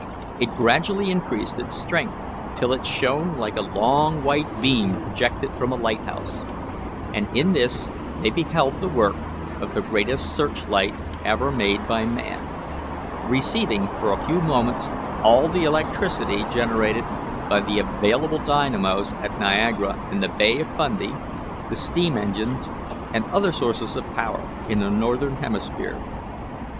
It gradually increased its strength till it shone like a long white beam projected from a lighthouse, and in this they beheld the work of the greatest search light ever made by man, receiving for a few moments all the electricity generated by the available dynamos at Niagara and the Bay of Fundy, the steam engines, and other sources of power in the northern hemisphere.